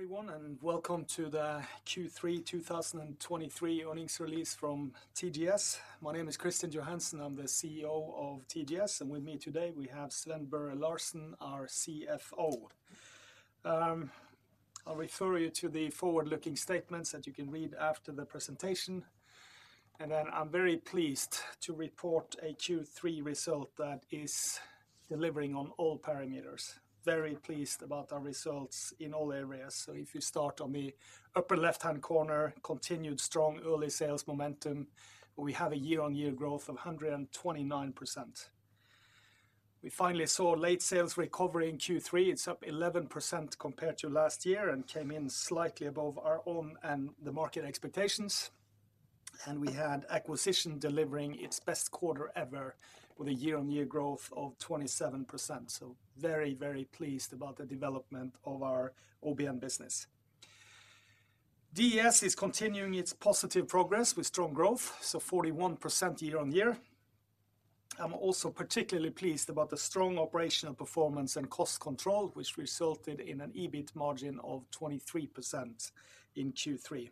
Good morning, everyone, and welcome to the Q3 2023 earnings release from TGS. My name is Kristian Johansen, I'm the CEO of TGS, and with me today, we have Sven Børre Larsen, our CFO. I'll refer you to the forward-looking statements that you can read after the presentation. I'm very pleased to report a Q3 result that is delivering on all parameters. Very pleased about our results in all areas. So if you start on the upper left-hand corner, continued strong early sales momentum, we have a year-on-year growth of 129%. We finally saw late sales recovery in Q3. It's up 11% compared to last year and came in slightly above our own and the market expectations, and we had acquisition delivering its best quarter ever with a year-on-year growth of 27%. So very, very pleased about the development of our OBN business. DES is continuing its positive progress with strong growth, so 41% year-on-year. I'm also particularly pleased about the strong operational performance and cost control, which resulted in an EBIT margin of 23% in Q3.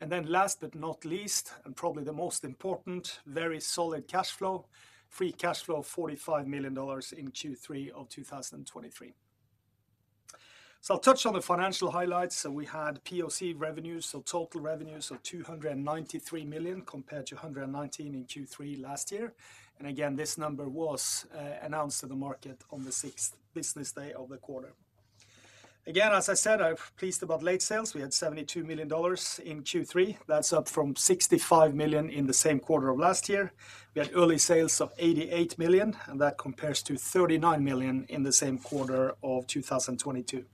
And then last but not least, and probably the most important, very solid cash flow. Free cash flow of $45 million in Q3 of 2023. So I'll touch on the financial highlights. So we had POC revenues, so total revenues of $293 million, compared to $119 million in Q3 last year. And again, this number was announced to the market on the sixth business day of the quarter. Again, as I said, I'm pleased about late sales. We had $72 million in Q3. That's up from $65 million in the same quarter of last year. We had early sales of $88 million, and that compares to $39 million in the same quarter of 2022.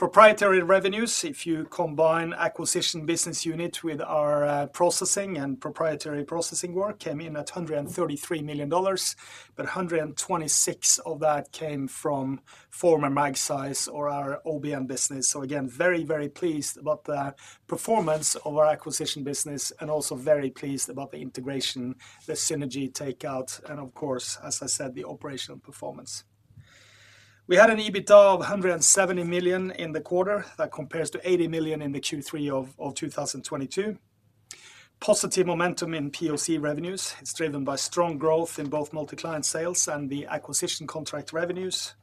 Proprietary revenues, if you combine acquisition business unit with our processing and proprietary processing work, came in at $133 million, but $126 million of that came from former Magseis or our OBN business. So again, very, very pleased about the performance of our acquisition business, and also very pleased about the integration, the synergy takeout, and of course, as I said, the operational performance. We had an EBITDA of $170 million in the quarter. That compares to $80 million in the Q3 of 2022. Positive momentum in POC revenues. It's driven by strong growth in both multi-client sales and the acquisition contract revenues.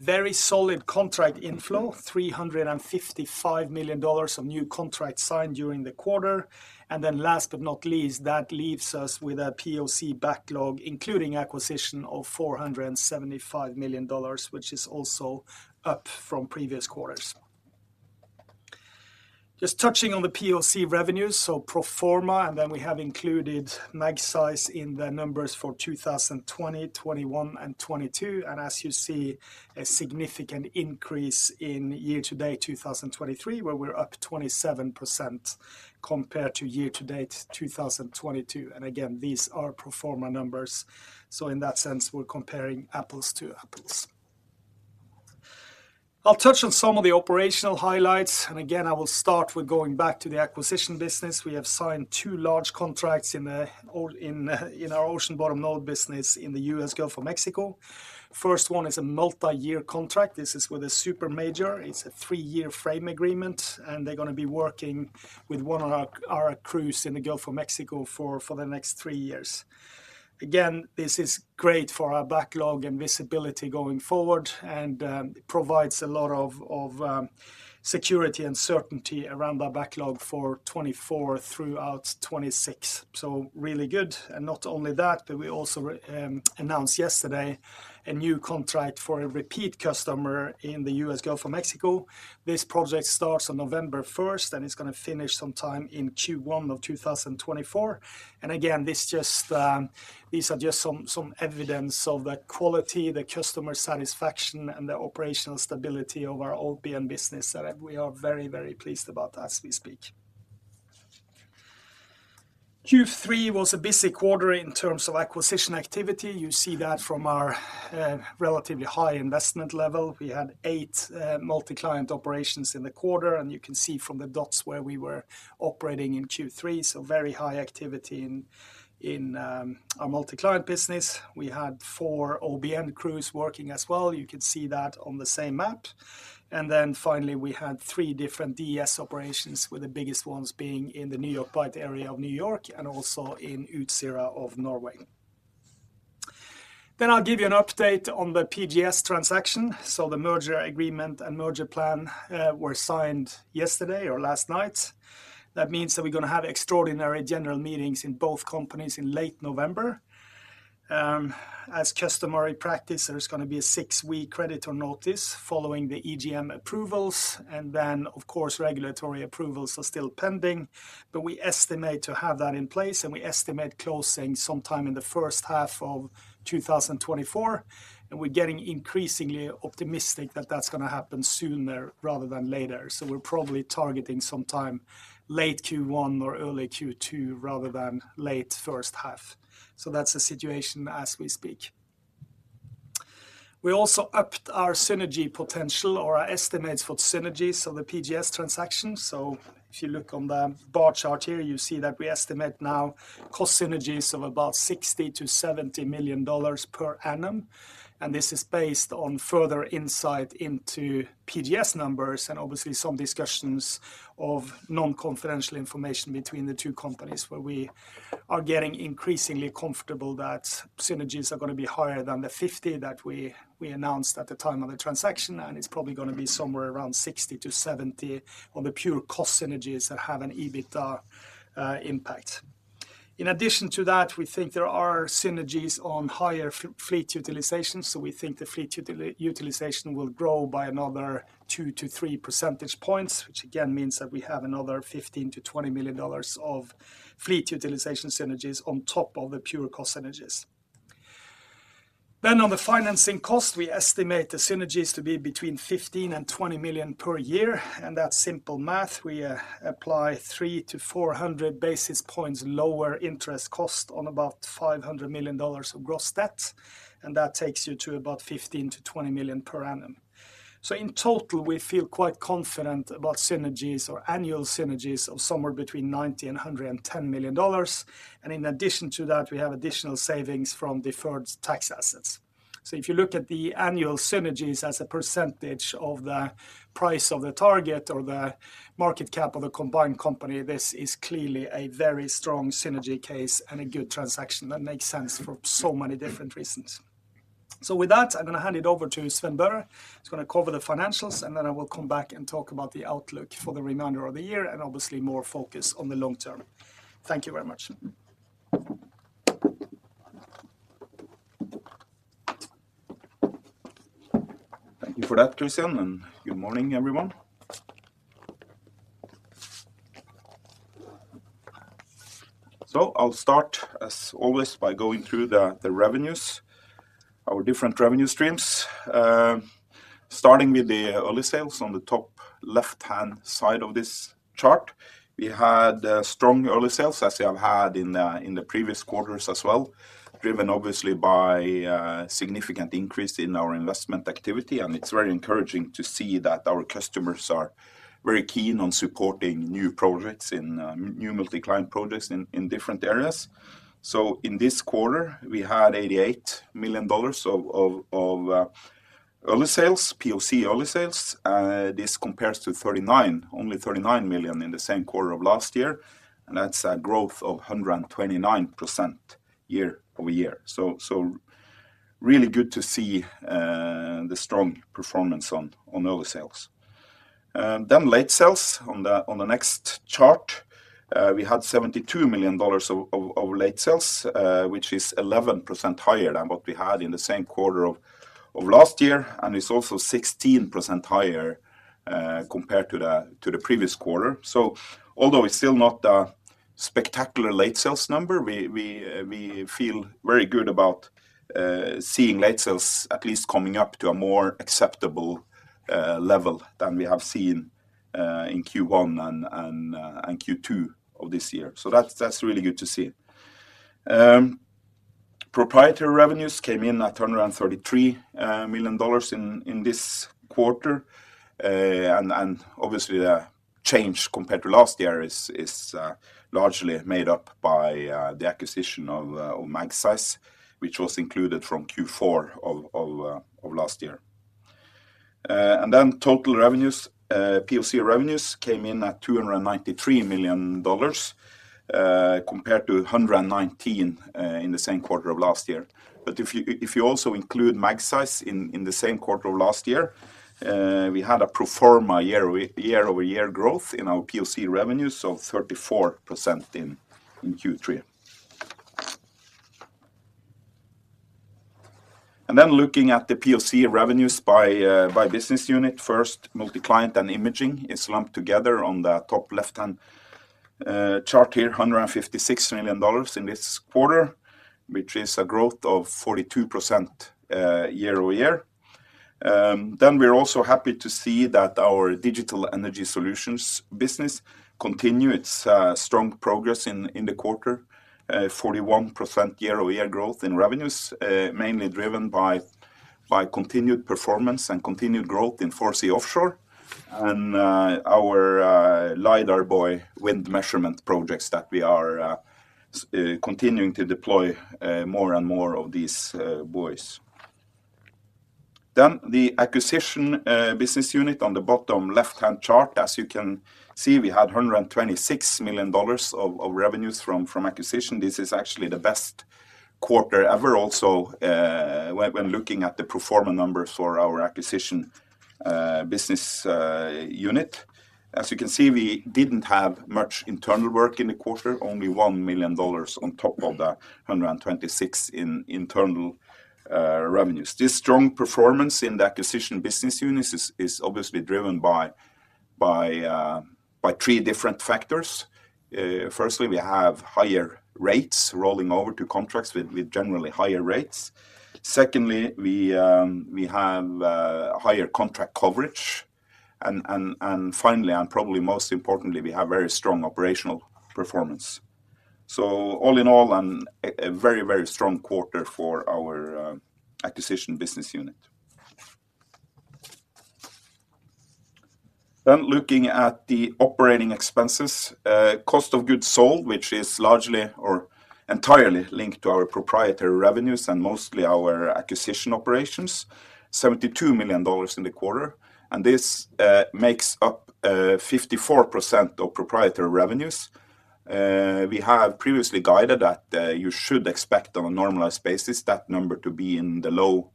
Very solid contract inflow, $355 million of new contracts signed during the quarter. And then last but not least, that leaves us with a POC backlog, including acquisition of $475 million, which is also up from previous quarters. Just touching on the POC revenues, so pro forma, and then we have included Magseis in the numbers for 2020, 2021, and 2022. And as you see, a significant increase in year-to-date 2023, where we're up 27% compared to year-to-date 2022. And again, these are pro forma numbers. So in that sense, we're comparing apples to apples. I'll touch on some of the operational highlights, and again, I will start with going back to the acquisition business. We have signed two large contracts in our ocean bottom node business in the US Gulf of Mexico. First one is a multi-year contract. This is with a super major. It's a three-year frame agreement, and they're gonna be working with one of our crews in the Gulf of Mexico for the next three years. Again, this is great for our backlog and visibility going forward, and it provides a lot of security and certainty around our backlog for 2024 throughout 2026. So really good. And not only that, but we also announced yesterday a new contract for a repeat customer in the US Gulf of Mexico. This project starts on November 1st, and it's gonna finish sometime in Q1 of 2024. Again, these are just some evidence of the quality, the customer satisfaction, and the operational stability of our OBN business, and we are very, very pleased about that as we speak. Q3 was a busy quarter in terms of acquisition activity. You see that from our relatively high investment level. We had 8 multi-client operations in the quarter, and you can see from the dots where we were operating in Q3, so very high activity in our multi-client business. We had 4 OBN crews working as well. You could see that on the same map. And then finally, we had 3 different DES operations, with the biggest ones being in the New York Bight area of New York and also in Utsira of Norway. I'll give you an update on the PGS transaction. So the merger agreement and merger plan were signed yesterday or last night. That means that we're gonna have extraordinary general meetings in both companies in late November. As customary practice, there is gonna be a six-week credit or notice following the EGM approvals, and then, of course, regulatory approvals are still pending. But we estimate to have that in place, and we estimate closing sometime in the first half of 2024, and we're getting increasingly optimistic that that's gonna happen sooner rather than later. So we're probably targeting sometime late Q1 or early Q2, rather than late first half. So that's the situation as we speak. We also upped our synergy potential or our estimates for synergies of the PGS transaction. So if you look on the bar chart here, you see that we estimate now cost synergies of about $60-$70 million per annum, and this is based on further insight into PGS numbers and obviously some discussions of non-confidential information between the two companies, where we are getting increasingly comfortable that synergies are going to be higher than the 50 that we announced at the time of the transaction. And it's probably going to be somewhere around $60-$70 on the pure cost synergies that have an EBITDA impact. In addition to that, we think there are synergies on higher fleet utilization, so we think the fleet utilization will grow by another 2-3 percentage points, which again, means that we have another $15-$20 million of fleet utilization synergies on top of the pure cost synergies. Then on the financing cost, we estimate the synergies to be between $15 million and $20 million per year, and that's simple math. We apply 300-400 basis points lower interest cost on about $500 million of gross debt, and that takes you to about $15 million-$20 million per annum. So in total, we feel quite confident about synergies or annual synergies of somewhere between $90 million and $110 million. And in addition to that, we have additional savings from deferred tax assets. So if you look at the annual synergies as a percentage of the price of the target or the market cap of the combined company, this is clearly a very strong synergy case and a good transaction that makes sense for so many different reasons. So with that, I'm going to hand it over to Sven Børre. He's going to cover the financials, and then I will come back and talk about the outlook for the remainder of the year and obviously more focus on the long term. Thank you very much. Thank you for that, Kristian, and good morning, everyone. So I'll start, as always, by going through the revenues, our different revenue streams. Starting with the early sales on the top left-hand side of this chart, we had strong early sales, as we have had in the previous quarters as well, driven obviously by a significant increase in our investment activity. And it's very encouraging to see that our customers are very keen on supporting new projects in new multi-client projects in different areas. So in this quarter, we had $88 million of early sales, POC early sales. This compares to only $39 million in the same quarter of last year, and that's a growth of 129% year-over-year. So really good to see the strong performance on early sales. Then late sales on the next chart. We had $72 million of late sales, which is 11% higher than what we had in the same quarter of last year, and it's also 16% higher compared to the previous quarter. So although it's still not a spectacular late sales number, we feel very good about seeing late sales at least coming up to a more acceptable level than we have seen in Q1 and Q2 of this year. So that's really good to see. Proprietary revenues came in at $233 million in this quarter. And obviously, the change compared to last year is largely made up by the acquisition of Magseis, which was included from Q4 of last year. And then total revenues, POC revenues came in at $293 million, compared to 119 in the same quarter of last year. But if you also include Magseis in the same quarter of last year, we had a pro forma year-over-year growth in our POC revenues, so 34% in Q3. And then looking at the POC revenues by business unit, first, multi-client and imaging is lumped together on the top left-hand chart here, $156 million in this quarter, which is a growth of 42% year-over-year. Then we're also happy to see that our Digital Energy Solutions business continues its strong progress in the quarter, 41% year-over-year growth in revenues, mainly driven by continued performance and continued growth in 4C Offshore and our LiDAR buoy wind measurement projects that we are continuing to deploy more and more of these buoys. Then the acquisition business unit on the bottom left-hand chart. As you can see, we had $126 million of revenues from acquisition. This is actually the best quarter ever. Also, when looking at the pro forma numbers for our acquisition business unit, as you can see, we didn't have much internal work in the quarter, only $1 million on top of the 126 in internal revenues. This strong performance in the acquisition business unit is obviously driven by three different factors. First, we have higher rates rolling over to contracts with generally higher rates. Second, we have higher contract coverage, and finally, and probably most importantly, we have very strong operational performance. So all in all, a very strong quarter for our acquisition business unit. Then looking at the operating expenses, cost of goods sold, which is largely or entirely linked to our proprietary revenues and mostly our acquisition operations, $72 million in the quarter, and this makes up 54% of proprietary revenues. We have previously guided that you should expect on a normalized basis, that number to be in the low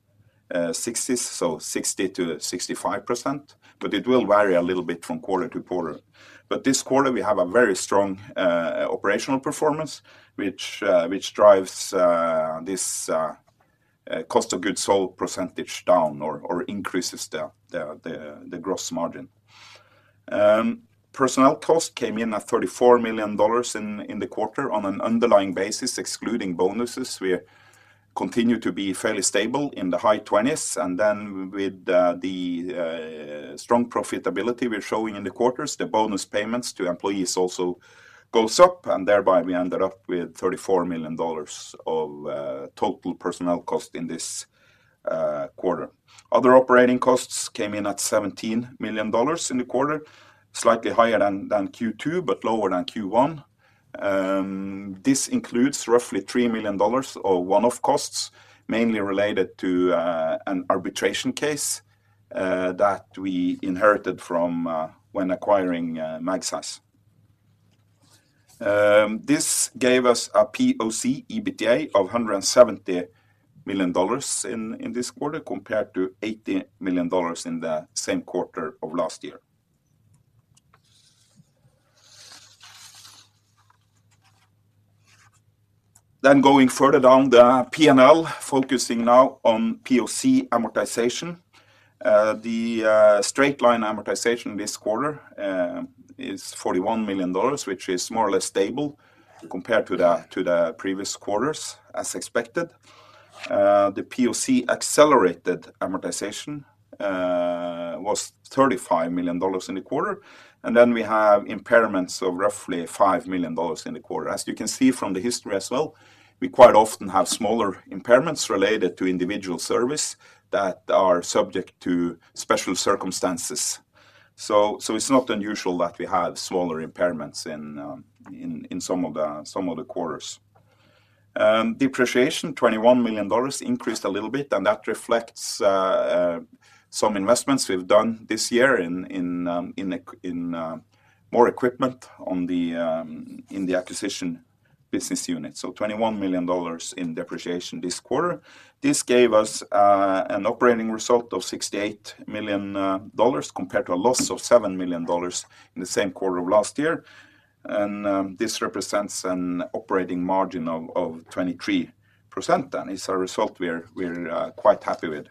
60s, so 60%-65%, but it will vary a little bit from quarter to quarter. But this quarter, we have a very strong operational performance, which drives this cost of goods sold percentage down or increases the gross margin. Personnel cost came in at $34 million in the quarter on an underlying basis, excluding bonuses. We continue to be fairly stable in the high 20s, and then with the strong profitability we're showing in the quarters, the bonus payments to employees also goes up, and thereby we ended up with $34 million of total personnel cost in this quarter. Other operating costs came in at $17 million in the quarter, slightly higher than Q2, but lower than Q1. This includes roughly $3 million or one-off costs, mainly related to an arbitration case that we inherited from when acquiring Magseis. This gave us a POC EBITDA of $170 million in this quarter, compared to $80 million in the same quarter of last year. Then going further down the P&L, focusing now on POC amortization. The straight-line amortization this quarter is $41 million, which is more or less stable compared to the previous quarters, as expected. The POC accelerated amortization was $35 million in the quarter, and then we have impairments of roughly $5 million in the quarter. As you can see from the history as well, we quite often have smaller impairments related to individual service that are subject to special circumstances. So it's not unusual that we have smaller impairments in some of the quarters. Depreciation, $21 million, increased a little bit, and that reflects some investments we've done this year in more equipment in the acquisition business unit. So $21 million in depreciation this quarter. This gave us an operating result of $68 million, compared to a loss of $7 million in the same quarter of last year. And this represents an operating margin of 23%, and it's a result we're quite happy with.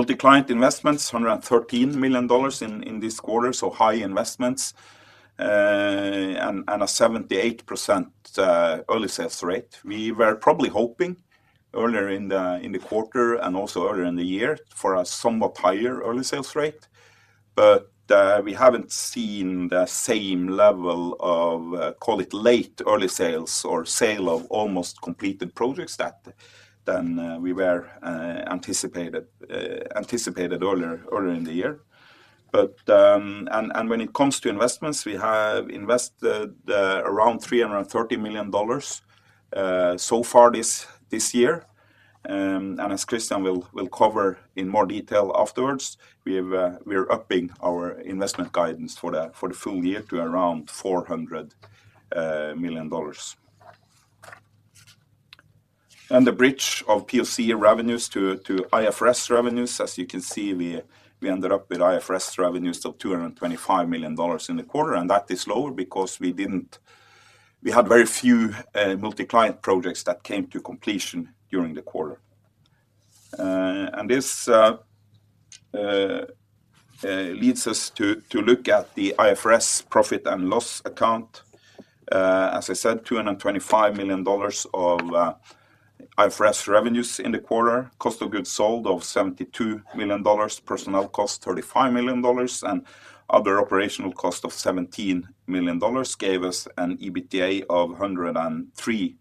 Multi-client investments, $113 million in this quarter, so high investments, and a 78% early sales rate. We were probably hoping earlier in the quarter and also earlier in the year for a somewhat higher early sales rate, but we haven't seen the same level of call it late early sales or sale of almost completed projects that than we were anticipated, anticipated earlier, earlier in the year. But and when it comes to investments, we have invested around $330 million so far this year. And as Kristian will cover in more detail afterwards, we are upping our investment guidance for the full year to around $400 million. The bridge of POC revenues to IFRS revenues, as you can see, we ended up with IFRS revenues of $225 million in the quarter, and that is lower because we had very few multi-client projects that came to completion during the quarter. And this leads us to look at the IFRS profit and loss account. As I said, $225 million of IFRS revenues in the quarter, cost of goods sold of $72 million, personnel cost $35 million, and other operational cost of $17 million gave us an EBITDA of $103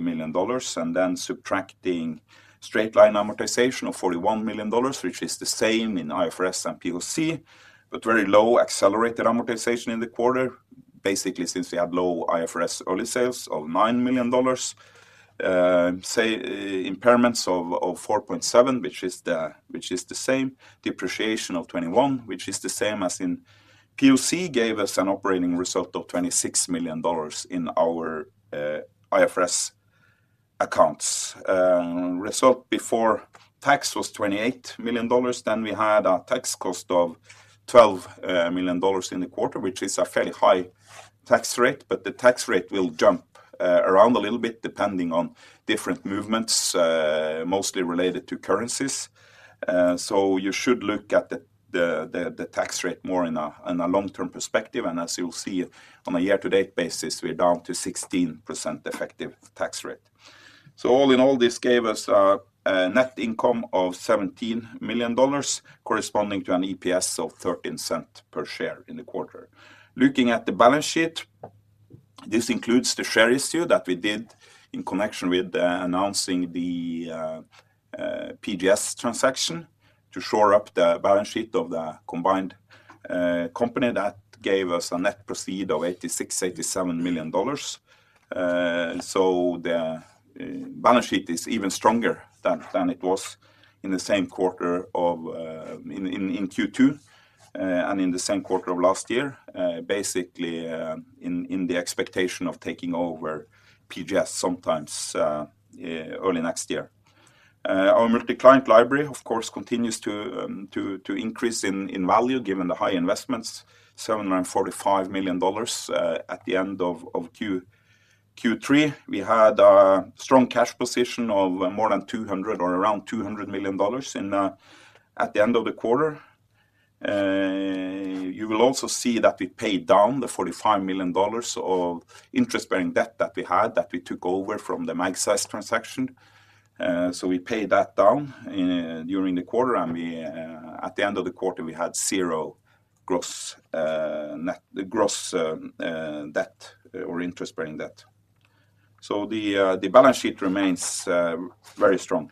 million, and then subtracting straight-line amortization of $41 million, which is the same in IFRS and POC, but very low accelerated amortization in the quarter. Basically, since we had low IFRS early sales of $9 million, say, impairments of $4.7 million, which is the same, depreciation of $21 million, which is the same as in POC, gave us an operating result of $26 million in our IFRS accounts. Result before tax was $28 million. Then we had a tax cost of $12 million in the quarter, which is a fairly high tax rate, but the tax rate will jump around a little bit, depending on different movements, mostly related to currencies. So you should look at the tax rate more in a long-term perspective, and as you'll see, on a year-to-date basis, we're down to 16% effective tax rate. All in all, this gave us a net income of $17 million, corresponding to an EPS of $0.13 per share in the quarter. Looking at the balance sheet. This includes the share issue that we did in connection with announcing the PGS transaction to shore up the balance sheet of the combined company. That gave us net proceeds of $86-$87 million. And so the balance sheet is even stronger than it was in the same quarter in Q2 and in the same quarter of last year. Basically, in the expectation of taking over PGS sometime early next year. Our multi-client library, of course, continues to increase in value, given the high investments, $745 million, at the end of Q3. We had a strong cash position of more than 200 or around 200 million dollars at the end of the quarter. You will also see that we paid down the $45 million of interest-bearing debt that we had, that we took over from the Magseis transaction. So we paid that down during the quarter, and at the end of the quarter, we had zero gross, net- the gross debt or interest-bearing debt. So the balance sheet remains very strong.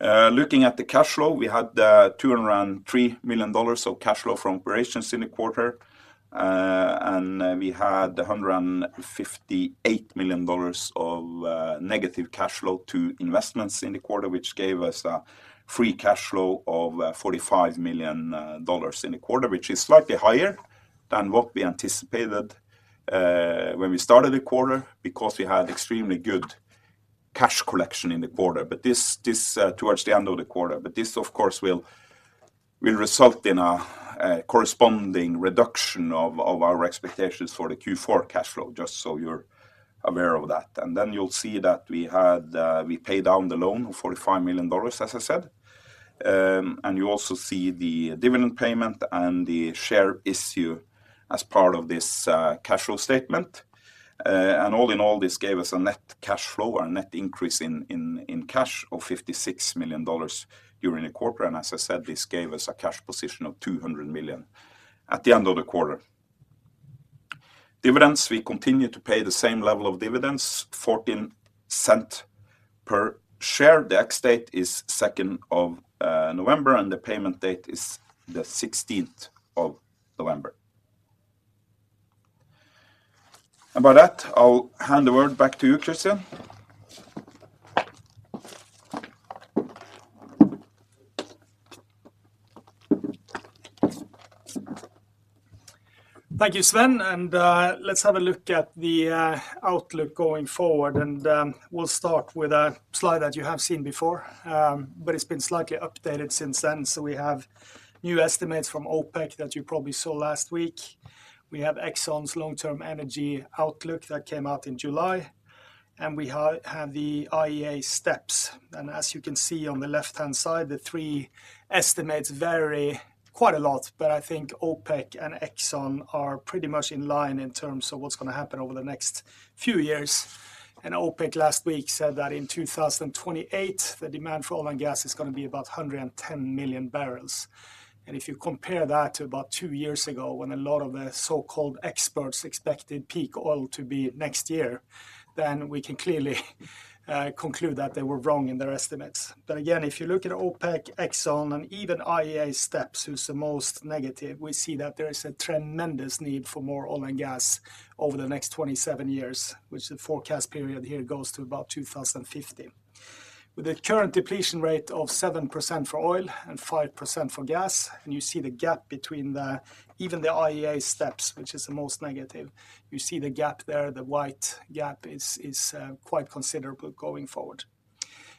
Looking at the cash flow, we had $203 million of cash flow from operations in the quarter, and we had $158 million of negative cash flow to investments in the quarter, which gave us a free cash flow of $45 million in the quarter, which is slightly higher than what we anticipated when we started the quarter, because we had extremely good cash collection in the quarter. But this towards the end of the quarter, but this, of course, will result in a corresponding reduction of our expectations for the Q4 cash flow, just so you're aware of that. Then you'll see that we had we paid down the loan of $45 million, as I said, and you also see the dividend payment and the share issue as part of this cash flow statement. And all in all, this gave us a net cash flow or a net increase in cash of $56 million during the quarter. And as I said, this gave us a cash position of $200 million at the end of the quarter. Dividends, we continue to pay the same level of dividends, $0.14 per share. The ex-date is second of November, and the payment date is the November 16th. And by that, I'll hand the word back to you, Kristian. Thank you, Sven, and let's have a look at the outlook going forward, and we'll start with a slide that you have seen before, but it's been slightly updated since then. So we have new estimates from OPEC that you probably saw last week. We have Exxon's long-term energy outlook that came out in July, and we have the IEA STEPS. And as you can see on the left-hand side, the three estimates vary quite a lot, but I think OPEC and Exxon are pretty much in line in terms of what's gonna happen over the next few years. And OPEC last week said that in 2028, the demand for oil and gas is gonna be about 110 million barrels. If you compare that to about 2 years ago, when a lot of the so-called experts expected peak oil to be next year, then we can clearly conclude that they were wrong in their estimates. But again, if you look at OPEC, Exxon, and even IEA STEPS, who's the most negative, we see that there is a tremendous need for more oil and gas over the next 27 years, which the forecast period here goes to about 2050. With the current depletion rate of 7% for oil and 5% for gas, and you see the gap between even the IEA STEPS, which is the most negative, you see the gap there, the wide gap is quite considerable going forward.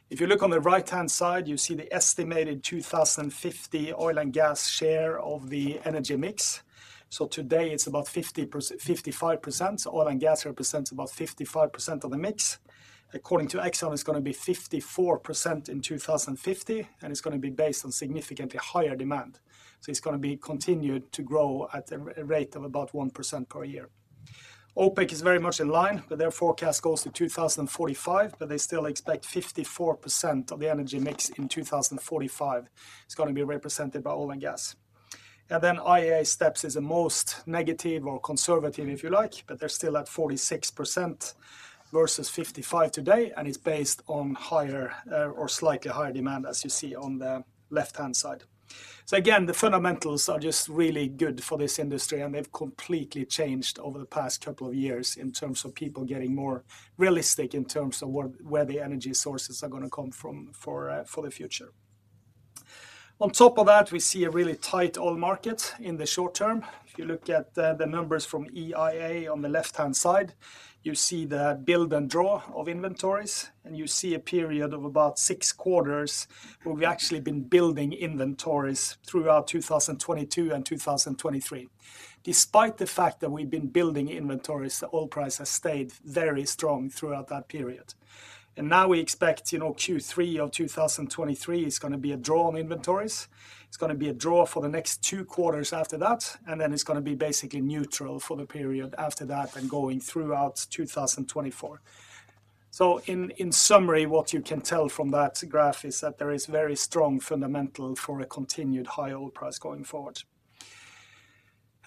If you look on the right-hand side, you see the estimated 2050 oil and gas share of the energy mix. So today it's about 50%, 55%. Oil and gas represents about 55% of the mix. According to Exxon, it's gonna be 54% in 2050, and it's gonna be based on significantly higher demand. So it's gonna be continued to grow at a rate of about 1% per year. OPEC is very much in line, but their forecast goes to 2045, but they still expect 54% of the energy mix in 2045 is gonna be represented by oil and gas. And then the IEA is the most negative or conservative, if you like, but they're still at 46% versus 55 today, and it's based on higher, or slightly higher demand, as you see on the left-hand side. So again, the fundamentals are just really good for this industry, and they've completely changed over the past couple of years in terms of people getting more realistic in terms of where the energy sources are gonna come from for the future. On top of that, we see a really tight oil market in the short term. If you look at the numbers from EIA on the left-hand side, you see the build and draw of inventories, and you see a period of about 6 quarters, where we've actually been building inventories throughout 2022 and 2023. Despite the fact that we've been building inventories, the oil price has stayed very strong throughout that period. And now we expect, you know, Q3 of 2023 is gonna be a draw on inventories. It's gonna be a draw for the next two quarters after that, and then it's gonna be basically neutral for the period after that and going throughout 2024. So in summary, what you can tell from that graph is that there is very strong fundamental for a continued high oil price going forward.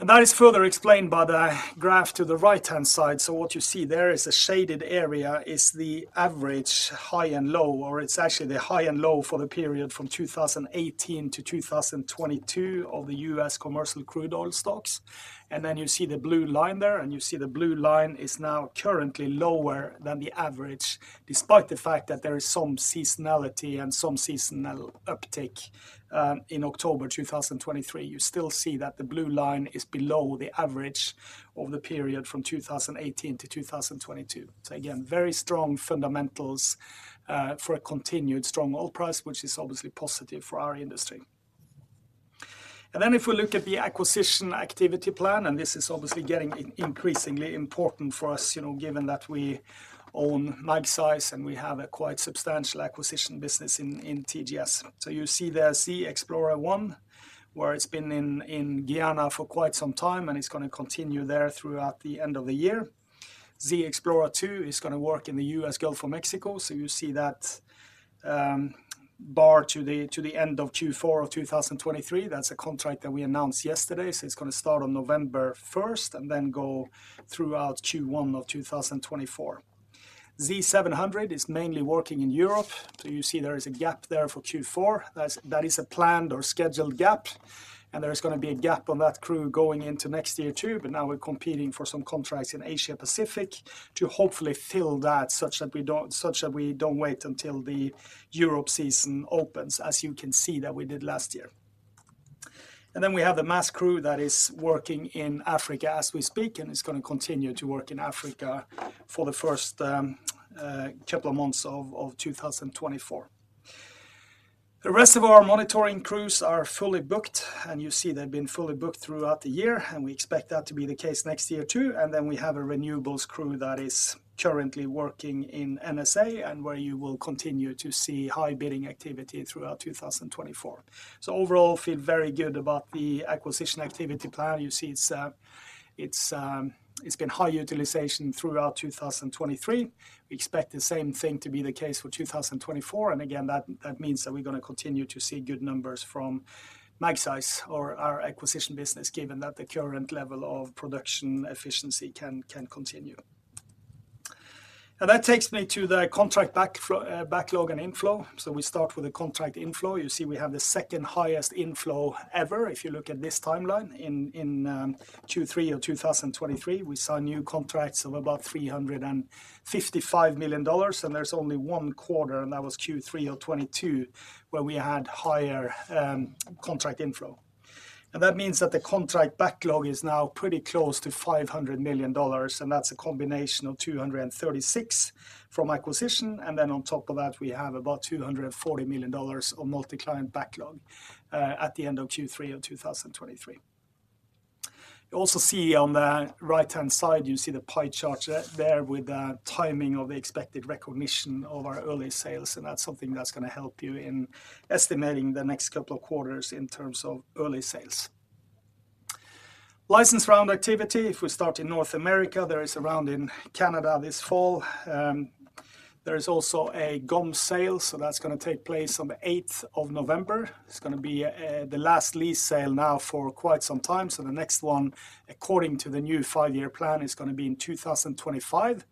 And that is further explained by the graph to the right-hand side. So what you see there is a shaded area, is the average high and low, or it's actually the high and low for the period from 2018 to 2022 of the U.S. commercial crude oil stocks. And then you see the blue line there, and you see the blue line is now currently lower than the average, despite the fact that there is some seasonality and some seasonal uptick in October 2023. You still see that the blue line is below the average over the period from 2018 to 2022. So again, very strong fundamentals for a continued strong oil price, which is obviously positive for our industry. And then if we look at the acquisition activity plan, and this is obviously getting increasingly important for us, you know, given that we own Magseis, and we have a quite substantial acquisition business in TGS. So you see the ZXplorer 1, where it's been in Guyana for quite some time, and it's gonna continue there throughout the end of the year. ZXplorer 2 is gonna work in the US Gulf of Mexico, so you see that bar to the end of Q4 of 2023. That's a contract that we announced yesterday, so it's gonna start on November 1st, and then go throughout Q1 of 2024. Z700 is mainly working in Europe, so you see there is a gap there for Q4. That's, that is a planned or scheduled gap, and there is gonna be a gap on that crew going into next year, too. But now we're competing for some contracts in Asia-Pacific to hopefully fill that, such that we don't, such that we don't wait until the Europe season opens, as you can see that we did last year. And then we have the MASS crew that is working in Africa as we speak, and it's gonna continue to work in Africa for the first couple of months of 2024. The rest of our monitoring crews are fully booked, and you see they've been fully booked throughout the year, and we expect that to be the case next year, too. Then we have a renewables crew that is currently working in NSA and where you will continue to see high bidding activity throughout 2024. So overall, feel very good about the acquisition activity plan. You see it's been high utilization throughout 2023. We expect the same thing to be the case for 2024, and again, that means that we're gonna continue to see good numbers from Magseis or our acquisition business, given that the current level of production efficiency can continue. And that takes me to the contract backlog and inflow. So we start with the contract inflow. You see, we have the second highest inflow ever if you look at this timeline. In Q3 of 2023, we saw new contracts of about $355 million, and there's only one quarter, and that was Q3 of 2022, where we had higher contract inflow. And that means that the contract backlog is now pretty close to $500 million, and that's a combination of $236 million from acquisition, and then on top of that, we have about $240 million of multi-client backlog at the end of Q3 of 2023. You also see on the right-hand side, you see the pie chart there, there with the timing of the expected recognition of our early sales, and that's something that's gonna help you in estimating the next couple of quarters in terms of early sales. License round activity, if we start in North America, there is a round in Canada this fall. There is also a GOM sale, so that's gonna take place on the 8th of November. It's gonna be the last lease sale now for quite some time. So the next one, according to the new five-year plan, is gonna be in 2025.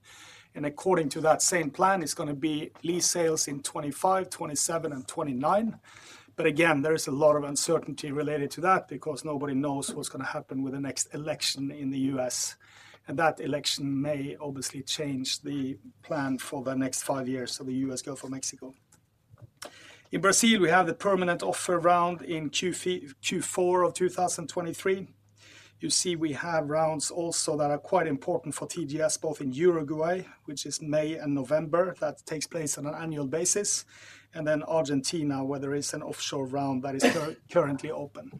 And according to that same plan, it's gonna be lease sales in 2025, 2027, and 2029. But again, there is a lot of uncertainty related to that because nobody knows what's gonna happen with the next election in the U.S., and that election may obviously change the plan for the next five years of the U.S. Gulf of Mexico. In Brazil, we have the permanent offer round in Q4 of 2023. You see, we have rounds also that are quite important for TGS, both in Uruguay, which is May and November. That takes place on an annual basis. And then Argentina, where there is an offshore round that is currently open.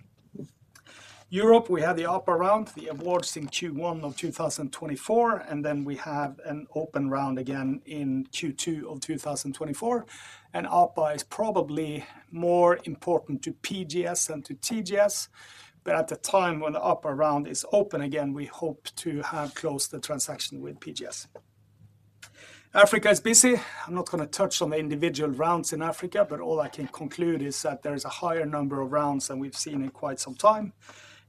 Europe, we have the APA Round, the awards in Q1 of 2024, and then we have an open round again in Q2 of 2024. And APA is probably more important to PGS than to TGS. But at the time when the APA Round is open again, we hope to have closed the transaction with PGS. Africa is busy. I'm not gonna touch on the individual rounds in Africa, but all I can conclude is that there is a higher number of rounds than we've seen in quite some time.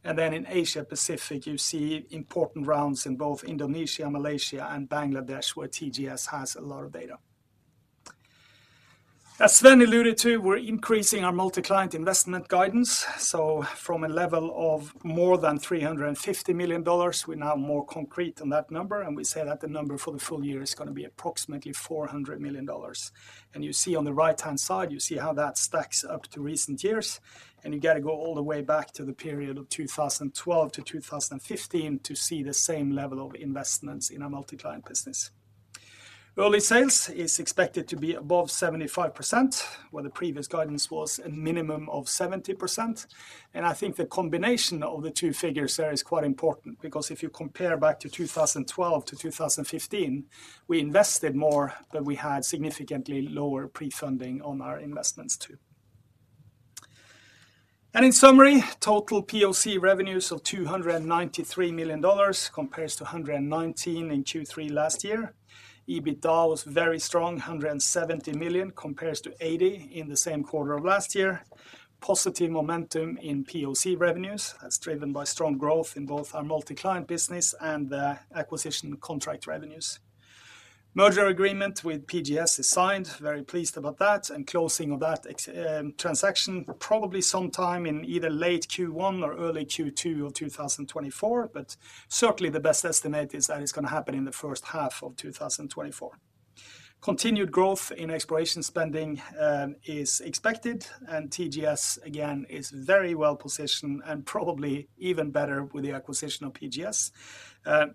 And then in Asia-Pacific, you see important rounds in both Indonesia, Malaysia, and Bangladesh, where TGS has a lot of data. As Sven alluded to, we're increasing our multi-client investment guidance. So from a level of more than $350 million, we're now more concrete on that number, and we say that the number for the full year is gonna be approximately $400 million. You see on the right-hand side, you see how that stacks up to recent years, and you gotta go all the way back to the period of 2012 to 2015 to see the same level of investments in our multi-client business. Early sales is expected to be above 75%, where the previous guidance was a minimum of 70%. And I think the combination of the two figures there is quite important because if you compare back to 2012 to 2015, we invested more than we had significantly lower pre-funding on our investments, too. In summary, total POC revenues of $293 million compares to $119 million in Q3 last year. EBITDA was very strong, $170 million compares to $80 million in the same quarter of last year. Positive momentum in POC revenues. That's driven by strong growth in both our multi-client business and the acquisition contract revenues. Merger agreement with PGS is signed, very pleased about that, and closing of that transaction probably sometime in either late Q1 or early Q2 of 2024. But certainly, the best estimate is that it's gonna happen in the first half of 2024. Continued growth in exploration spending is expected, and TGS, again, is very well positioned and probably even better with the acquisition of PGS,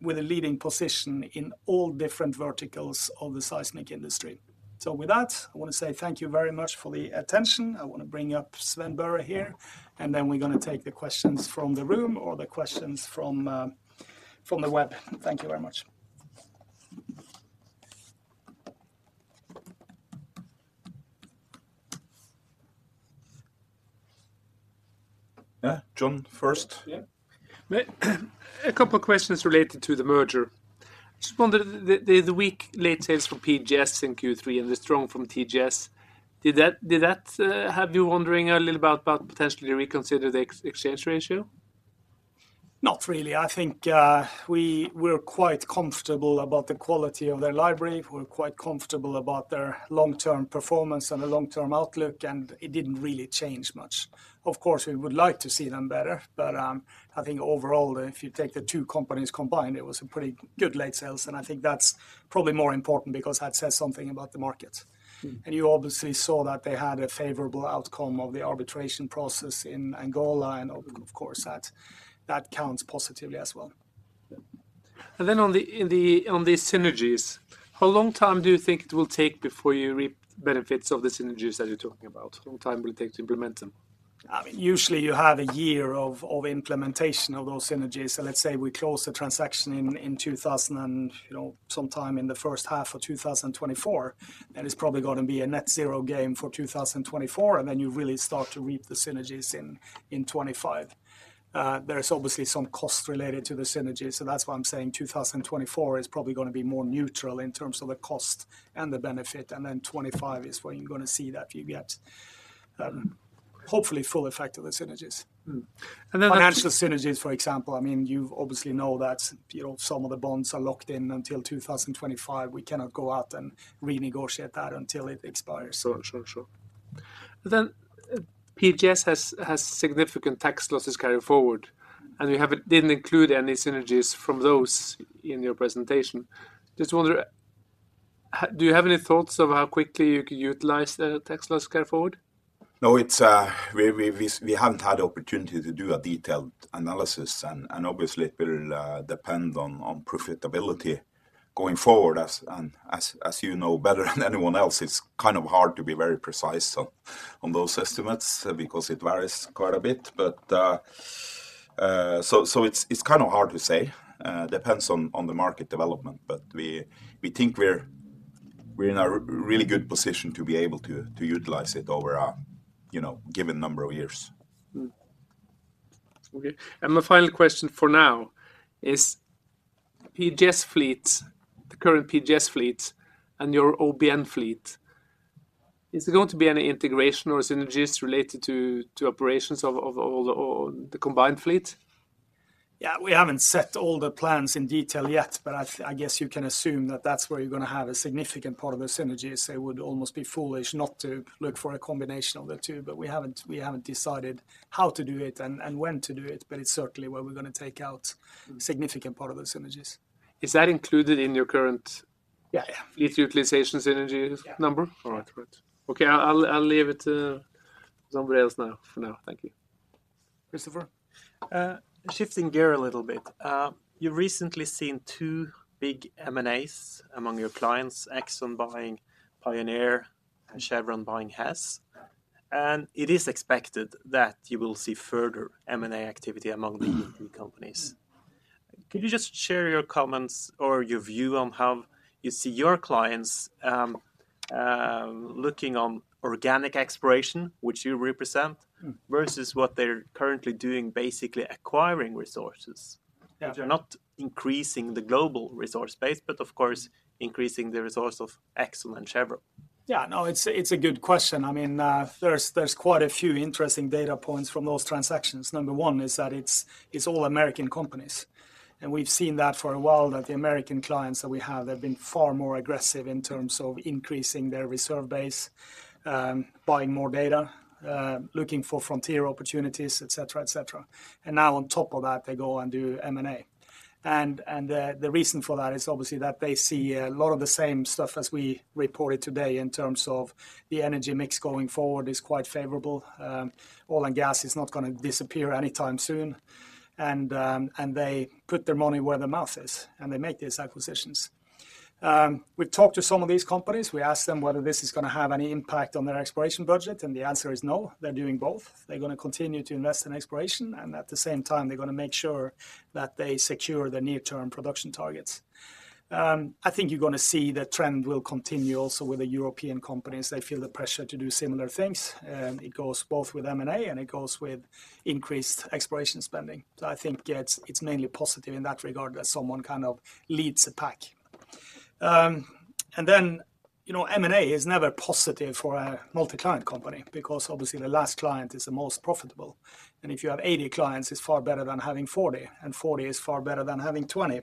with a leading position in all different verticals of the seismic industry. So with that, I want to say thank you very much for the attention. I want to bring up Sven Børre here, and then we're gonna take the questions from the room or the questions from the web. Thank you very much. Yeah, John first. Yeah. A couple of questions related to the merger. Just wondered the weak late sales for PGS in Q3 and the strong from TGS, did that have you wondering a little about potentially reconsider the exchange ratio? Not really. I think, we're quite comfortable about the quality of their library. We're quite comfortable about their long-term performance and the long-term outlook, and it didn't really change much. Of course, we would like to see them better, but, I think overall, if you take the two companies combined, it was a pretty good late sales, and I think that's probably more important because that says something about the market. Mm. You obviously saw that they had a favorable outcome of the arbitration process in Angola, and of course, that counts positively as well. Yeah. And then on the synergies, how long time do you think it will take before you reap benefits of the synergies that you're talking about? How long time will it take to implement them? Usually you have a year of implementation of those synergies. So let's say we close the transaction in, you know, sometime in the first half of 2024, then it's probably gonna be a net zero game for 2024, and then you really start to reap the synergies in 2025. There is obviously some cost related to the synergies, so that's why I'm saying 2024 is probably gonna be more neutral in terms of the cost and the benefit, and then 2025 is when you're gonna see that you get, hopefully, full effect of the synergies. Mm. And then. Financial synergies, for example, I mean, you obviously know that, you know, some of the bonds are locked in until 2025. We cannot go out and renegotiate that until it expires. Sure, sure, sure. Then PGS has significant tax losses carry forward, and you haven't, didn't include any synergies from those in your presentation. Just wonder, how do you have any thoughts of how quickly you could utilize the tax loss carry forward? No, it's we haven't had the opportunity to do a detailed analysis and obviously, it will depend on profitability going forward, as you know better than anyone else, it's kind of hard to be very precise on those estimates because it varies quite a bit. But it's kind of hard to say. Depends on the market development, but we think we're in a really good position to be able to utilize it over a, you know, given number of years. Okay, and my final question for now is PGS fleet, the current PGS fleet, and your OBN fleet, is there going to be any integration or synergies related to operations of all the combined fleet? Yeah, we haven't set all the plans in detail yet, but I guess you can assume that that's where you're gonna have a significant part of the synergies. It would almost be foolish not to look for a combination of the two, but we haven't, we haven't decided how to do it and, and when to do it, but it's certainly where we're gonna take out. Mm Significant part of the synergies. Is that included in your current, Yeah, yeah Fleet utilization synergy- Yeah Number? Yeah. All right. Great. Okay, I'll, I'll leave it to somebody else now. For now. Thank you. Christopher. Shifting gear a little bit. You've recently seen two big M&As among your clients, Exxon buying Pioneer and Chevron buying Hess. And it is expected that you will see further M&A activity among the three companies. Could you just share your comments or your view on how you see your clients looking on organic exploration, which you represent, Mm Versus what they're currently doing, basically acquiring resources? Yeah. They're not increasing the global resource base, but of course, increasing the resource of Exxon and Chevron. Yeah, no, it's a good question. I mean, there's quite a few interesting data points from those transactions. Number 1 is that it's all American companies, and we've seen that for a while, that the American clients that we have, they've been far more aggressive in terms of increasing their reserve base, buying more data, looking for frontier opportunities, et cetera, et cetera. And now, on top of that, they go and do M&A. And the reason for that is obviously that they see a lot of the same stuff as we reported today in terms of the energy mix going forward is quite favorable. Oil and gas is not gonna disappear anytime soon, and they put their money where their mouth is, and they make these acquisitions. We've talked to some of these companies. We asked them whether this is gonna have any impact on their exploration budget, and the answer is no. They're doing both. They're gonna continue to invest in exploration, and at the same time, they're gonna make sure that they secure the near-term production targets. I think you're gonna see the trend will continue also with the European companies. They feel the pressure to do similar things, and it goes both with M&A, and it goes with increased exploration spending. So I think, yeah, it's, it's mainly positive in that regard, that someone kind of leads the pack. And then, you know, M&A is never positive for a multi-client company because obviously, the last client is the most profitable. And if you have 80 clients, it's far better than having 40, and 40 is far better than having 20.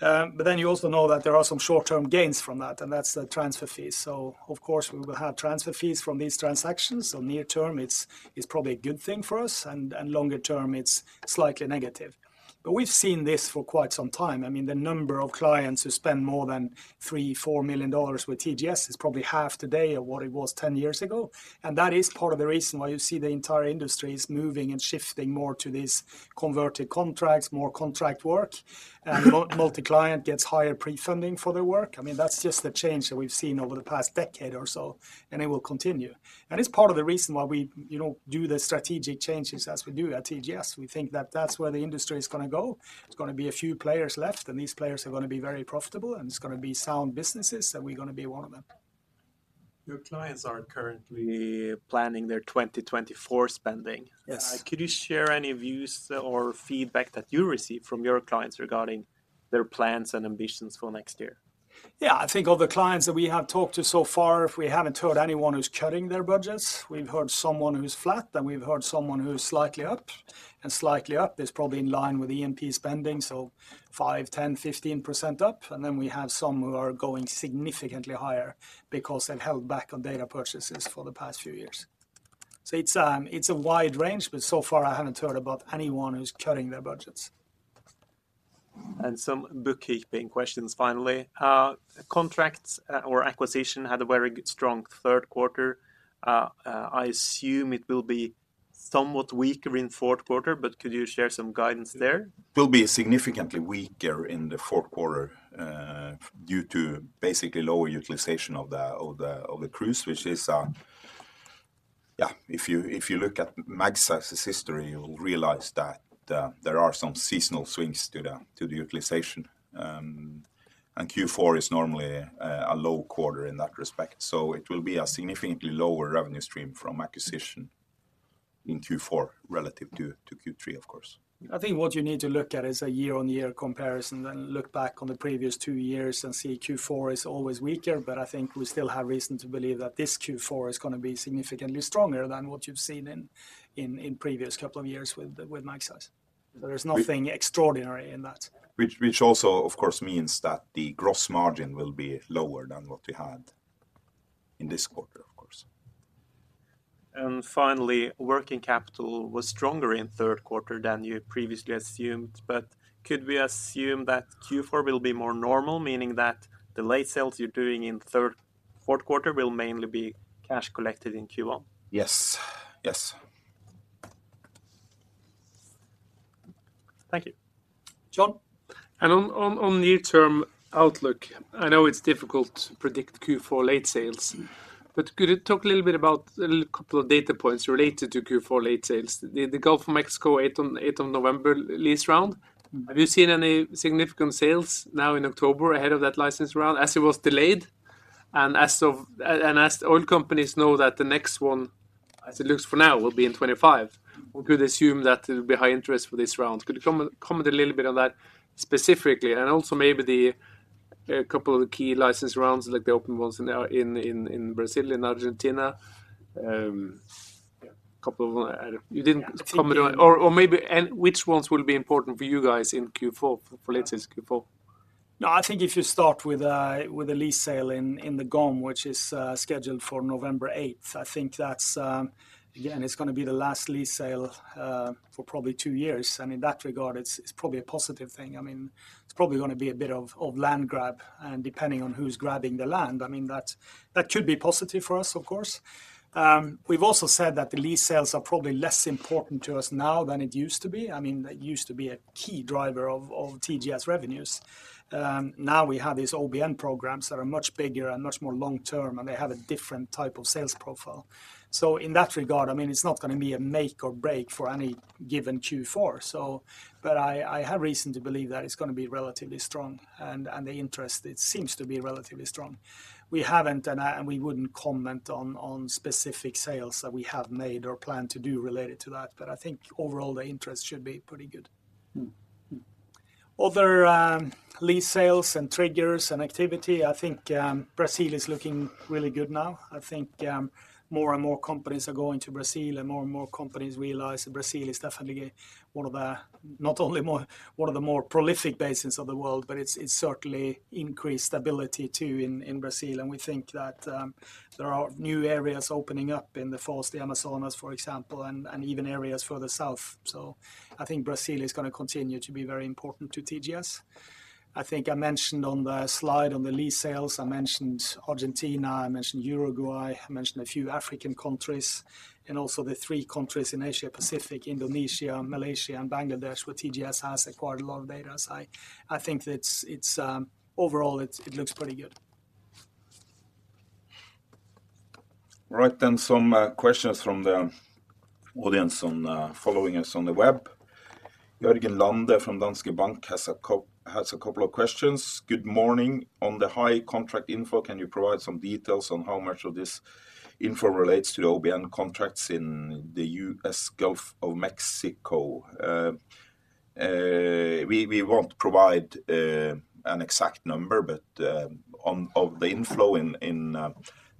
But then you also know that there are some short-term gains from that, and that's the transfer fees. So of course, we will have transfer fees from these transactions. So near term, it's probably a good thing for us, and longer term, it's slightly negative. But we've seen this for quite some time. I mean, the number of clients who spend more than $3-$4 million with TGS is probably half today of what it was 10 years ago, and that is part of the reason why you see the entire industry is moving and shifting more to these converted contracts, more contract work, and multi-client gets higher pre-funding for their work. I mean, that's just the change that we've seen over the past decade or so, and it will continue. It's part of the reason why we, you know, do the strategic changes as we do at TGS. We think that that's where the industry is gonna go. There's gonna be a few players left, and these players are gonna be very profitable, and it's gonna be sound businesses, and we're gonna be one of them. Your clients are currently planning their 2024 spending. Yes. Could you share any views or feedback that you received from your clients regarding their plans and ambitions for next year? Yeah. I think of the clients that we have talked to so far, if we haven't heard anyone who's cutting their budgets, we've heard someone who's flat, and we've heard someone who's slightly up, and slightly up is probably in line with E&P spending, so 5, 10, 15% up, and then we have some who are going significantly higher because they've held back on data purchases for the past few years. So it's, it's a wide range, but so far I haven't heard about anyone who's cutting their budgets. Some bookkeeping questions finally. Contracts or acquisition had a very strong third quarter. I assume it will be somewhat weaker in fourth quarter, but could you share some guidance there? Will be significantly weaker in the fourth quarter due to basically lower utilization of the cruise, which is... Yeah, if you look at Magseis' history, you'll realize that there are some seasonal swings to the utilization. And Q4 is normally a low quarter in that respect, so it will be a significantly lower revenue stream from acquisition in Q4 relative to Q3, of course. I think what you need to look at is a year-on-year comparison, then look back on the previous two years and see Q4 is always weaker. But I think we still have reason to believe that this Q4 is gonna be significantly stronger than what you've seen in previous couple of years with Magseis. There is nothing extraordinary in that. Which also, of course, means that the gross margin will be lower than what we had in this quarter, of course. And finally, working capital was stronger in third quarter than you had previously assumed, but could we assume that Q4 will be more normal, meaning that the late sales you're doing in third, fourth quarter will mainly be cash collected in Q1? Yes. Yes. Thank you. John? On near-term outlook, I know it's difficult to predict Q4 late sales, Mm. But could you talk a little bit about a little couple of data points related to Q4 late sales? The Gulf of Mexico 8th on November lease round. Have you seen any significant sales now in October ahead of that license round as it was delayed, and as oil companies know that the next one, as it looks for now, will be in 25? We could assume that there will be high interest for this round. Could you comment a little bit on that specifically, and also maybe the couple of the key license rounds, like the open ones in Brazil and Argentina? Yeah, couple of, you didn't. Yeah, I think. Comment on, or maybe which ones will be important for you guys in Q4, for- for late Q4? No, I think if you start with the lease sale in the GOM, which is scheduled for November 8th, I think that's again, it's gonna be the last lease sale for probably two years, and in that regard, it's probably a positive thing. I mean, it's probably gonna be a bit of land grab, and depending on who's grabbing the land, I mean, that could be positive for us, of course. We've also said that the lease sales are probably less important to us now than it used to be. I mean, that used to be a key driver of TGS revenues. Now we have these OBN programs that are much bigger and much more long term, and they have a different type of sales profile. So in that regard, I mean, it's not gonna be a make or break for any given Q4, so. But I, I have reason to believe that it's gonna be relatively strong, and, and the interest, it seems to be relatively strong. We haven't, and I, and we wouldn't comment on, on specific sales that we have made or plan to do related to that, but I think overall, the interest should be pretty good. Mm. Mm. Other, lease sales and triggers and activity, I think, Brazil is looking really good now. I think, more and more companies are going to Brazil, and more and more companies realize that Brazil is definitely one of the, not only one of the more prolific basins of the world, but it's certainly increased stability, too, in Brazil. And we think that, there are new areas opening up in the Foz do Amazonas, for example, and even areas further south. So I think Brazil is gonna continue to be very important to TGS. I think I mentioned on the slide, on the lease sales, I mentioned Argentina, I mentioned Uruguay, I mentioned a few African countries, and also the three countries in Asia-Pacific: Indonesia, Malaysia, and Bangladesh, where TGS has acquired a lot of data. I think it's overall, it looks pretty good. Right, then some questions from the audience on following us on the web. Jørgen Lunde from Danske Bank has a couple of questions. Good morning. On the high contract info, can you provide some details on how much of this info relates to OBN contracts in the U.S. Gulf of Mexico? We won't provide an exact number, but, of the inflow in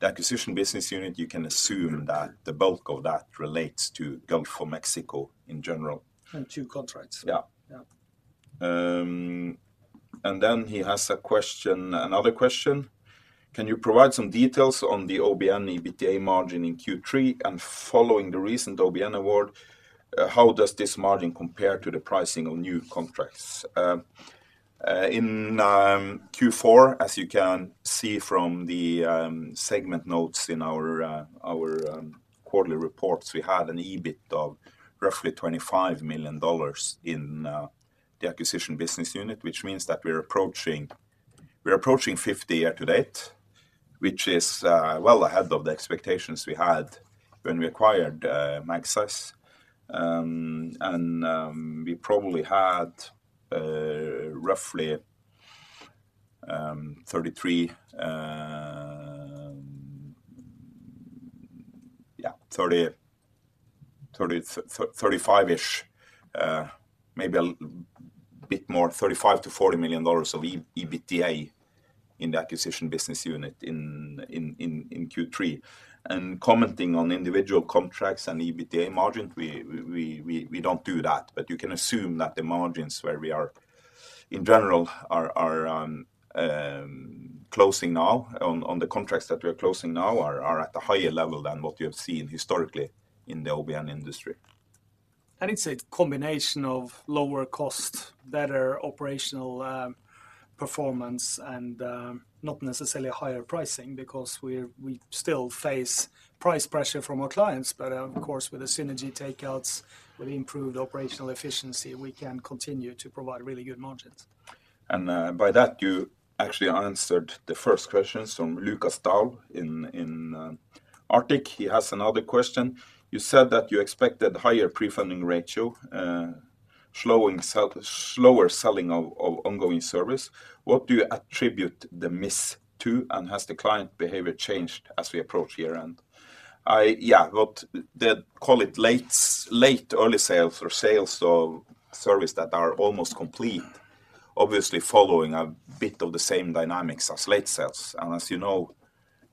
the acquisition business unit, you can assume that the bulk of that relates to Gulf of Mexico in general. Two contracts. Yeah. Yeah. And then he has a question, another question: Can you provide some details on the OBN EBITDA margin in Q3, and following the recent OBN award, how does this margin compare to the pricing of new contracts? In Q4, as you can see from the segment notes in our quarterly reports, we had an EBIT of roughly $25 million in the acquisition business unit, which means that we're approaching 50 year to date, which is well ahead of the expectations we had when we acquired Magseis. And we probably had roughly 33, yeah, 30, 30, 35-ish, maybe a bit more, $35-40 million of EBITDA in the acquisition business unit in Q3. And commenting on individual contracts and EBITDA margins, we don't do that, but you can assume that the margins where we are, in general, are closing now on the contracts that we are closing now are at a higher level than what you have seen historically in the OBN industry. It's a combination of lower cost, better operational performance, and not necessarily higher pricing, because we still face price pressure from our clients. But of course, with the synergy takeouts, with improved operational efficiency, we can continue to provide really good margins. By that, you actually answered the first question from Lucas Daul in Arctic. He has another question: You said that you expected higher pre-funding ratio, slowing slower selling of ongoing service. What do you attribute the miss to? And has the client behavior changed as we approach year-end? Yeah, what they call it late early sales or sales of service that are almost complete, obviously following a bit of the same dynamics as late sales. And as you know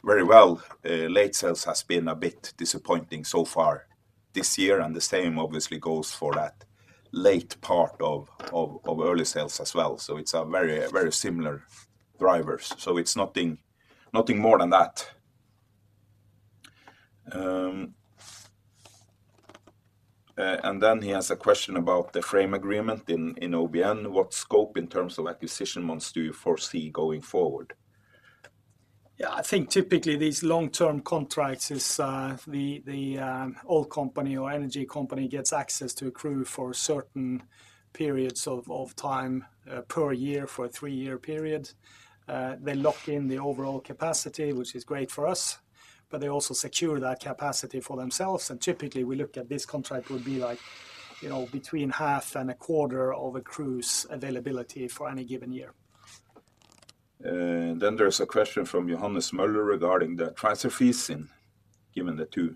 very well, late sales has been a bit disappointing so far this year, and the same obviously goes for that late part of early sales as well. So it's a very, very similar drivers. So it's nothing, nothing more than that. And then he has a question about the frame agreement in OBN. What scope in terms of acquisition months do you foresee going forward? Yeah, I think typically these long-term contracts is the oil company or energy company gets access to a crew for certain periods of time per year for a 3-year period. They lock in the overall capacity, which is great for us, but they also secure that capacity for themselves. And typically, we look at this contract would be like, you know, between half and a quarter of a cruises availability for any given year. Then there's a question from Johannes Møller regarding the transfer fees, given the 2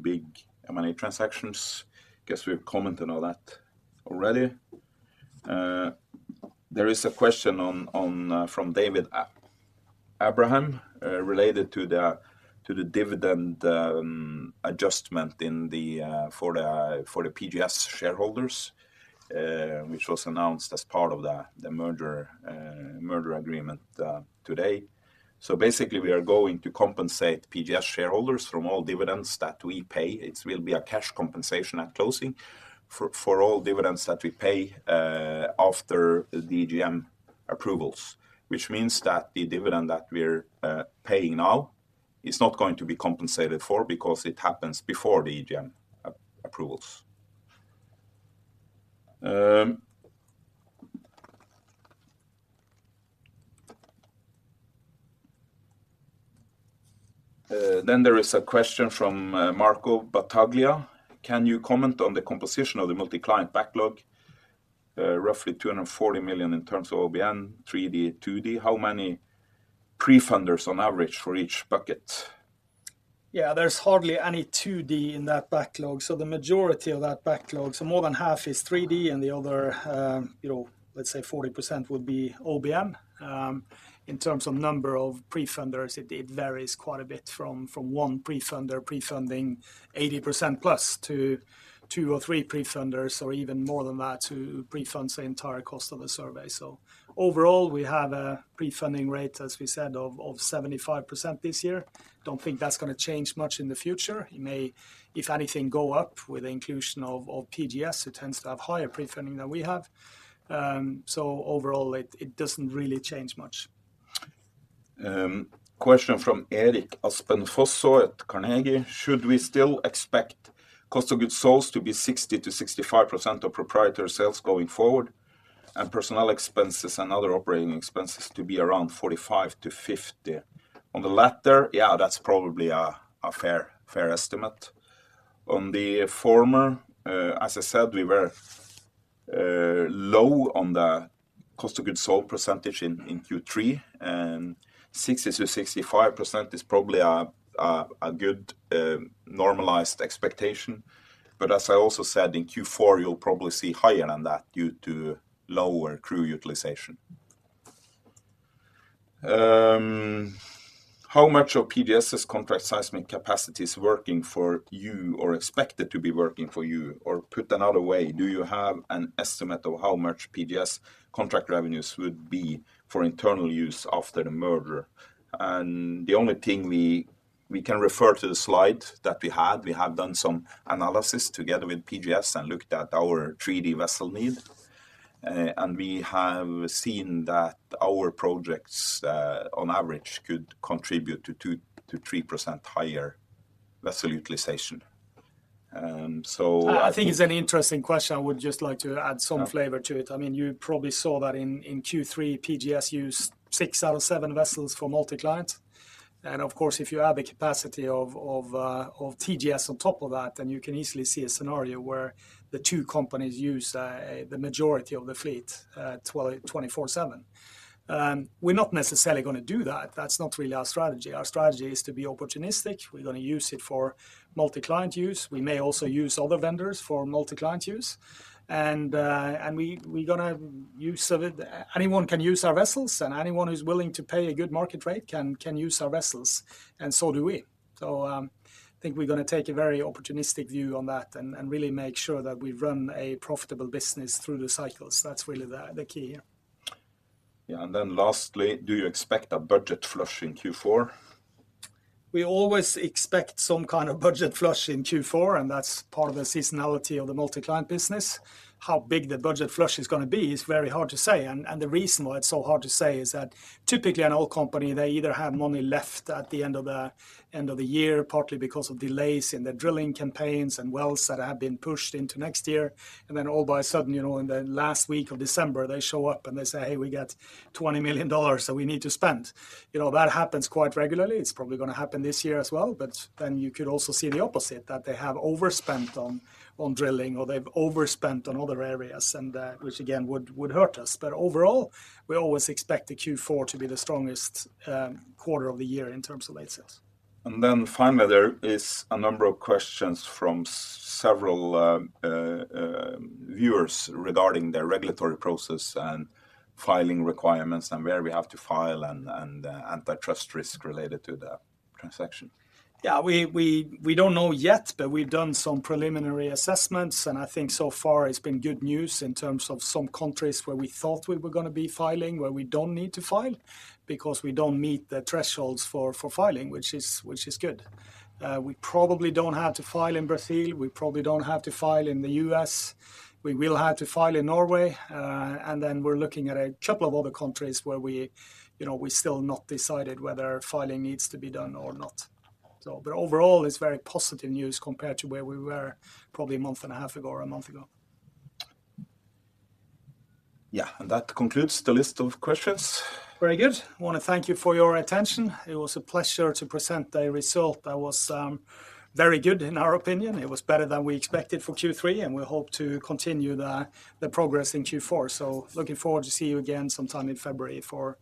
big M&A transactions. Guess we've commented on that already. There is a question from David Abraham related to the dividend adjustment for the PGS shareholders, which was announced as part of the merger agreement today. So basically, we are going to compensate PGS shareholders from all dividends that we pay. It will be a cash compensation at closing for all dividends that we pay after the EGM approvals, which means that the dividend that we're paying now is not going to be compensated for because it happens before the EGM approvals. Then there is a question from Marco Battaglia: Can you comment on the composition of the multi-client backlog? Roughly $240 million in terms of OBN, 3D, 2D. How many pre-funders on average for each bucket? Yeah, there's hardly any 2D in that backlog. So the majority of that backlog, so more than half is 3D, and the other, you know, let's say 40% would be OBN. In terms of number of pre-funders, it varies quite a bit from one pre-funder pre-funding 80%+ to two or three pre-funders, or even more than that, to pre-fund the entire cost of the survey. So overall, we have a pre-funding rate, as we said, of 75% this year. Don't think that's gonna change much in the future. It may, if anything, go up with the inclusion of PGS. It tends to have higher pre-funding than we have. So overall, it doesn't really change much. Question from Erik Aspen Fosså at Carnegie: Should we still expect cost of goods sold to be 60%-65% of proprietary sales going forward, and personnel expenses and other operating expenses to be around 45%-50%? On the latter, yeah, that's probably a, a, fair, fair estimate. On the former, as I said, we were low on the cost of goods sold percentage in Q3, and 60%-65% is probably a, a, a good normalized expectation. But as I also said, in Q4, you'll probably see higher than that due to lower crew utilization. How much of PGS's contract seismic capacity is working for you or expected to be working for you? Or put another way, do you have an estimate of how much PGS contract revenues would be for internal use after the merger? The only thing we can refer to the slide that we had. We have done some analysis together with PGS and looked at our 3D vessel need, and we have seen that our projects, on average, could contribute to 2%-3% higher vessel utilization. So I I think it's an interesting question. I would just like to add some flavor to it. Yeah. I mean, you probably saw that in Q3, PGS used six out of seven vessels for multi-client. And of course, if you add the capacity of TGS on top of that, then you can easily see a scenario where the two companies use the majority of the fleet 24/7. We're not necessarily gonna do that. That's not really our strategy. Our strategy is to be opportunistic. We're gonna use it for multi-client use. We may also use other vendors for multi-client use, and we're gonna use it. Anyone can use our vessels, and anyone who's willing to pay a good market rate can use our vessels, and so do we. So, I think we're gonna take a very opportunistic view on that and really make sure that we run a profitable business through the cycles. That's really the key here. Yeah. And then lastly, do you expect a budget flush in Q4? We always expect some kind of budget flush in Q4, and that's part of the seasonality of the multi-client business. How big the budget flush is gonna be is very hard to say, and the reason why it's so hard to say is that typically an oil company, they either have money left at the end of the, end of the year, partly because of delays in their drilling campaigns and wells that have been pushed into next year. And then all of a sudden, you know, in the last week of December, they show up and they say, hey, we got $20 million that we need to spend." You know, that happens quite regularly. It's probably gonna happen this year as well, but then you could also see the opposite, that they have overspent on drilling, or they've overspent on other areas, and which again would hurt us. But overall, we always expect the Q4 to be the strongest quarter of the year in terms of late sales. Then finally, there is a number of questions from several viewers regarding the regulatory process and filing requirements and where we have to file and antitrust risk related to the transaction. Yeah, we don't know yet, but we've done some preliminary assessments, and I think so far it's been good news in terms of some countries where we thought we were gonna be filing, where we don't need to file because we don't meet the thresholds for filing, which is good. We probably don't have to file in Brazil. We probably don't have to file in the U.S. We will have to file in Norway, and then we're looking at a couple of other countries where we, you know, we still not decided whether filing needs to be done or not. So but overall, it's very positive news compared to where we were probably a month and a half ago or a month ago. Yeah, that concludes the list of questions. Very good. I wanna thank you for your attention. It was a pleasure to present a result that was very good in our opinion. It was better than we expected for Q3, and we hope to continue the progress in Q4. Looking forward to see you again sometime in February for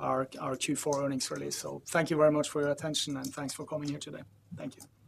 our Q4 earnings release. Thank you very much for your attention, and thanks for coming here today. Thank you.